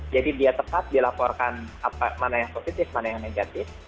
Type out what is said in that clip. jadi dia tepat dilaporkan mana yang positif mana yang negatif